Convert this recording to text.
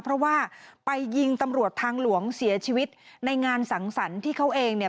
เพราะว่าไปยิงตำรวจทางหลวงเสียชีวิตในงานสังสรรค์ที่เขาเองเนี่ย